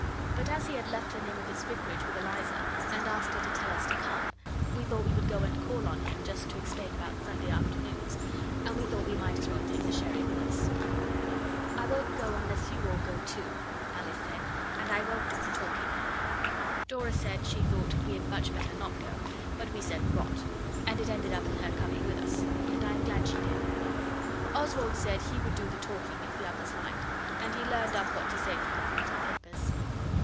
But as he had left the name of his vicarage with Eliza, and asked her to tell us to come, we thought we would go and call on him, just to explain about Sunday afternoons, and we thought we might as well take the sherry with us. 'I won't go unless you all go too,' Alice said, 'and I won't do the talking.' Dora said she thought we had much better not go; but we said 'Rot!' and it ended in her coming with us, and I am glad she did. Oswald said he would do the talking if the others liked, and he learned up what to say from the printed papers.